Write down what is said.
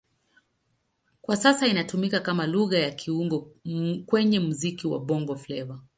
Kwa sasa inatumika kama Lugha ya kiungo kwenye muziki wa Bongo Flava.